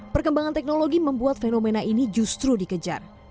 perkembangan teknologi membuat fenomena ini justru dikejar